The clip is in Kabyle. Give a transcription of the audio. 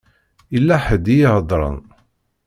Yella ḥedd i iheddṛen.